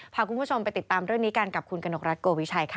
พาคุณผู้ชมไปติดตามเรื่องนี้กันกับคุณกนกรัฐโกวิชัยค่ะ